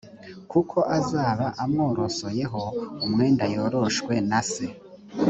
kuko azaba amworosoyeho umwenda yoroshwe na se